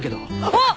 あっ！